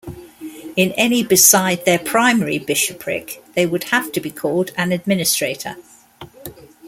In any beside their primary bishopric, they would have to be called an "administrator".